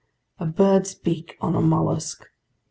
A bird's beak on a mollusk!